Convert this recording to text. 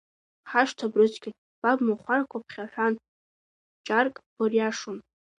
Ҳашҭа брыцқьон, ба бмахәарқәа ԥхьаҳәан, џьарк быриашон…